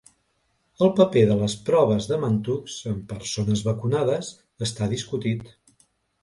El paper de les proves de Mantoux en persones vacunades està discutit.